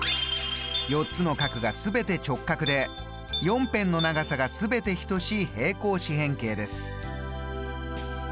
４つの角が全て直角で４辺の長さが全て等しい平行四辺形です。